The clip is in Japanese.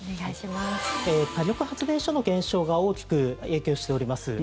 火力発電所の減少が大きく影響しております。